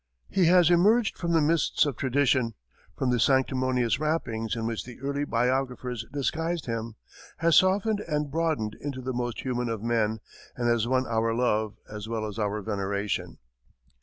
He has emerged from the mists of tradition, from the sanctimonious wrappings in which the early biographers disguised him, has softened and broadened into the most human of men, and has won our love as well as our veneration.